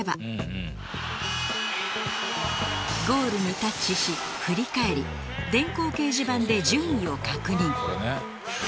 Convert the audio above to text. ゴールにタッチし振り返り電光掲示板で順位を確認